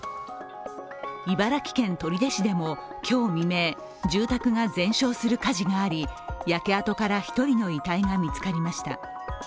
茨城県取手市でも今日未明、住宅が全焼する火事があり焼け跡から１人の遺体が見つかりました。